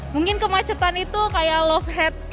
mungkin kemacetan itu kayak love head